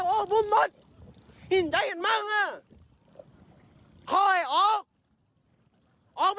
ออกกูยิงใจมันออก